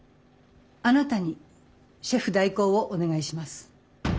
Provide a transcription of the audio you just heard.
あなたにシェフ代行をお願いします。